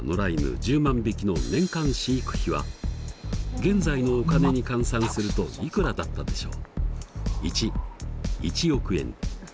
１０万匹の年間飼育費は現在のお金に換算するといくらだったでしょう？